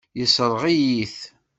Yessṛeɣ-iyi-t.